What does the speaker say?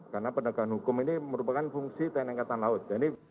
karena penegakan hukum ini merupakan fungsi tni angkatan laut